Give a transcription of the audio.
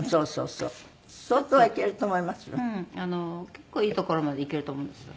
結構いいところまでいけると思うんですよ。